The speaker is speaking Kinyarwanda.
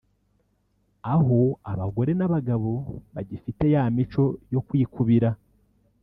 aho abagore n’abagabo bagifite ya mico yo kwikubira